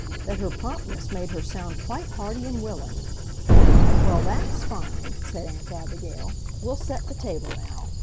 that her promptness made her sound quite hearty and willing. "Well, that's fine," said Aunt Abigail. "We'll set the table now.